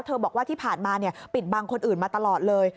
บอกว่าที่ผ่านมาปิดบังคนอื่นมาตลอดเลย